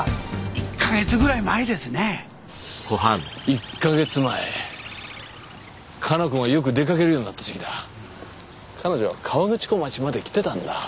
１ヵ月ぐらい前ですね１ヵ月前加奈子がよく出かけるようになった時期だ彼女は河口湖町まで来てたんだ